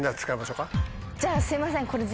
じゃあすいません。